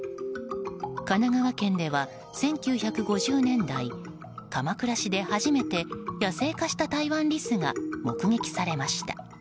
神奈川県では１９５０年代鎌倉市で初めて野生化したタイワンリスが目撃されました。